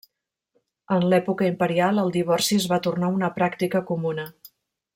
En l'època imperial el divorci es va tornar una pràctica comuna.